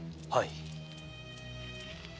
はい。